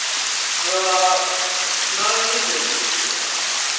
それは内申点のこと言ってるのかな？